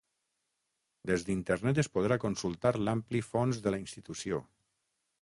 Des d'internet es podrà consultar l'ampli fons de la institució.